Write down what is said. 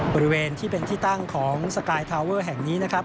บริเวณที่เป็นที่ตั้งของสกายทาวเวอร์แห่งนี้นะครับ